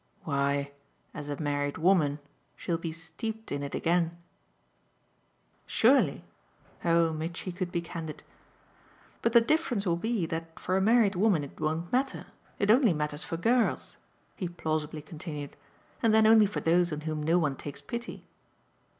"Why as a married woman she'll be steeped in it again." "Surely" oh Mitchy could be candid! "But the difference will be that for a married woman it won't matter. It only matters for girls," he plausibly continued "and then only for those on whom no one takes pity."